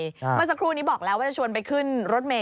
เมื่อสักครู่นี้บอกแล้วว่าจะชวนไปขึ้นรถเมย